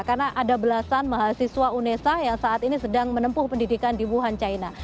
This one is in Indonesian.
karena ada belasan mahasiswa unesa yang saat ini sedang menempuh pendidikan di wuhan china